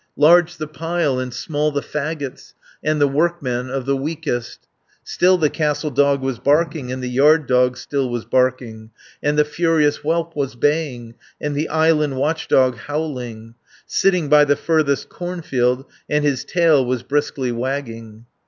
Large the pile, and small the faggots, And the workman of the weakest." Still the castle dog was barking, And the yard dog still was barking, And the furious whelp was baying, And the island watch dog howling, Sitting by the furthest cornfield, And his tail was briskly wagging.